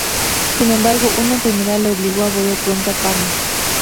Sin embargo, una enfermedad le obligó a volver pronto a Parma.